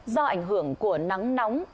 do ảnh hưởng của nắng nóng